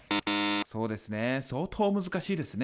そうですね相当難しいですね。